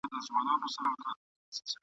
چي پښېمانه سوه له خپله نصیحته !.